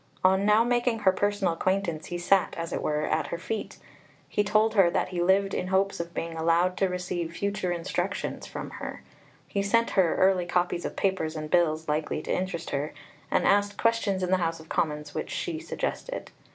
On now making her personal acquaintance, he sat, as it were, at her feet; he told her that he lived in hopes of being allowed to receive "future instructions" from her; he sent her early copies of papers and bills likely to interest her, and asked questions in the House of Commons which she suggested.